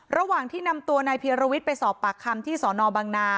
ระหว่างที่นำตัวนายเพียรวิทย์ไปสอบปากคำที่สอนอบังนา